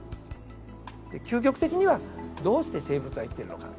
究極的にはどうして生物は生きてるのか。